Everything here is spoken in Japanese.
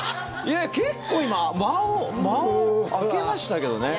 結構、今間を空けましたけどね。